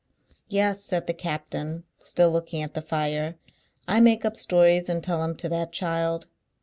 "Yes," said the captain, still looking at the fire, "I make up stories and tell 'em to that child.